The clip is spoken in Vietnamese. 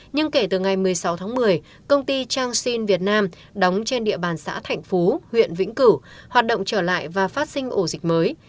nhưng kể từ ngày một mươi sáu tháng một mươi công ty trang sinh việt nam đóng trên địa bàn xã thạnh phú huyện vĩnh cửu hoạt động trở lại và phát sinh ổ dịch mới